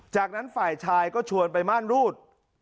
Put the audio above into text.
จากนั้นฝ่ายชายก็ชวนไปม่านรูด